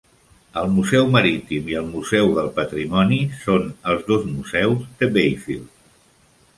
El museu marítim i el museu del patrimoni són els dos museus de Bayfield.